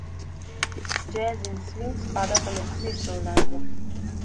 Džez in sving spadata med plesno glasbo.